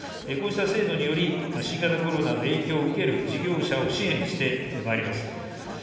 こうした制度により、新型コロナの影響を受ける事業者を支援してまいります。